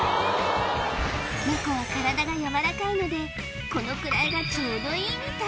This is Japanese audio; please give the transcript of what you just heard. ネコは体が柔らかいのでこのくらいがちょうどいいみたい